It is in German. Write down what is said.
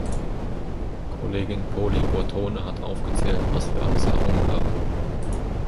Kollegin Poli Bortone hat aufgezählt, was wir alles errungen haben.